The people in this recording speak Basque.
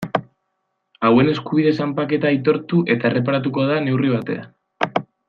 Hauen eskubide zanpaketa aitortu eta erreparatuko da neurri batean.